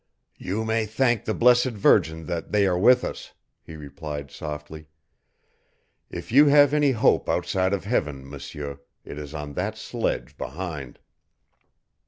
"You may thank the Blessed Virgin that they are with us," he replied softly. "If you have any hope outside of Heaven, M'seur, it is on that sledge behind."